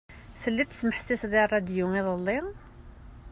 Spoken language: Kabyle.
Telliḍ tesmeḥsiseḍ i rradyu iḍelli?